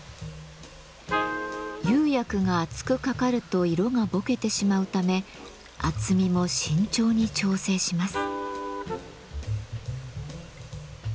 釉薬が厚くかかると色がぼけてしまうため厚みも慎重に調整します。